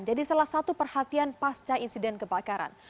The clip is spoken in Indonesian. jadi salah satu perhatian pasca insiden kebakaran